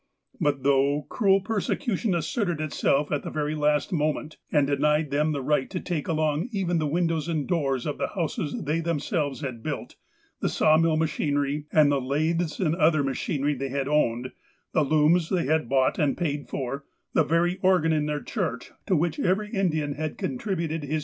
But, though cruel i)ersecution asserted itself at the very last moment, and denied them the right to take along even the windows and doors of the houses they them selves had built, the sawmill machinery, and the lathes and other machinery they had owned, the looms they had bought and paid for, the very organ in their church, to which every Indian had contributed his $2.